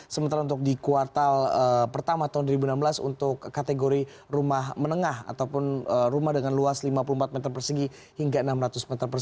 sementara untuk di kuartal pertama tahun dua ribu enam belas untuk kategori rumah menengah ataupun rumah dengan luas lima puluh empat meter persegi hingga enam ratus meter persegi di angka sebesar tiga puluh tujuh persen